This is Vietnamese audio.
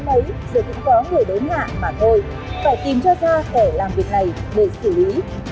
đấy giờ cũng có người đốn hạ mà thôi phải tìm cho ra kẻ làm việc này để xử lý